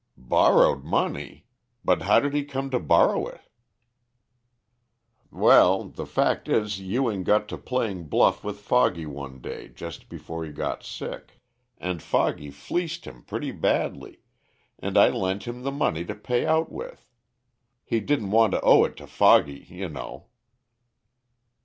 "Borrowed money? But how did he come to borrow it?" "Well, the fact is Ewing got to playing bluff with Foggy one day just before he got sick, and Foggy fleeced him pretty badly, and I lent him the money to pay out with. He didn't want to owe it to Foggy, you know."